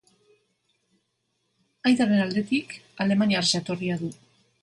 Aitaren alderik alemaniar jatorria du.